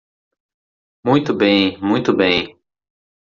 Muito bem, muito bem.